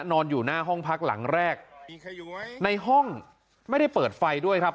นอนอยู่หน้าห้องพักหลังแรกในห้องไม่ได้เปิดไฟด้วยครับ